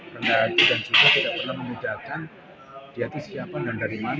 pernah dan juga tidak pernah menudahkan diati siapa dan dari mana